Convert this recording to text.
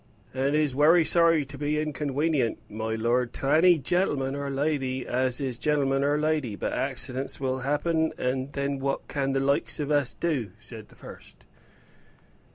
"And is wery sorry to be unconwenient, my lord, to any gen'leman or lady as is a gen'leman or lady. But accidents will happen, and then what can the likes of us do?" said the first.